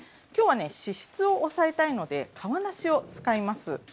きょうはね脂質を抑えたいので皮なしを使います。